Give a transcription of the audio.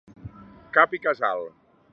Cap i casal.